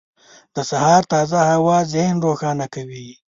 • د سهار تازه هوا ذهن روښانه کوي.